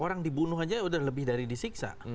orang dibunuh saja sudah lebih dari disiksa